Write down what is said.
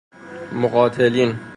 مقاتلین